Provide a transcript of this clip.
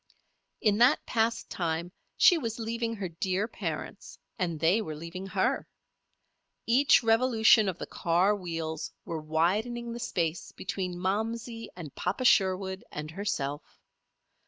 In that past time she was leaving her dear parents and they were leaving her. Each revolution of the car wheels were widening the space between "Momsey" and "Papa Sherwood," and herself.